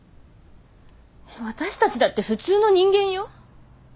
私たちだって普通の人間よ。